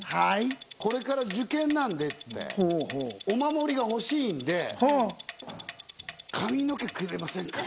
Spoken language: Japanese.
これから受験なんでって言って、お守りが欲しいんで、髪の毛くれませんか？